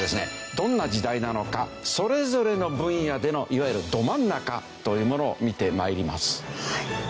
どんな時代なのかそれぞれの分野でのいわゆるど真ん中というものを見てまいります。